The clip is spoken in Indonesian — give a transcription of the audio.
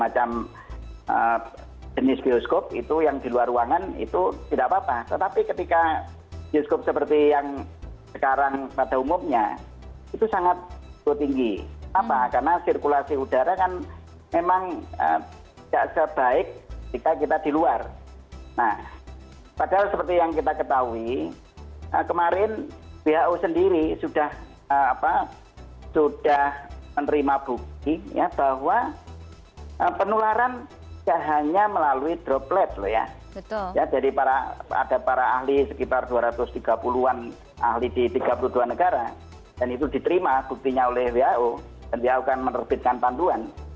jadi ada para ahli sekitar dua ratus tiga puluh an ahli di tiga puluh dua negara dan itu diterima buktinya oleh who dan dia akan menerbitkan panduan